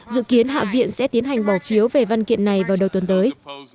dự kiến hạ viện sẽ tiến hành bỏ phiếu về văn kiện này vào đầu tuần tới